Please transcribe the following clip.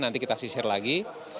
nanti kita sisir lagi